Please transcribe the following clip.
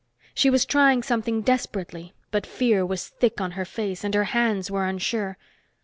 She was trying something desperately, but fear was thick on her face, and her hands were unsure.